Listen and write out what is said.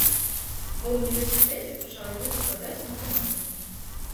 Ва ўніверсітэце пачалі выкладаць матэматыку.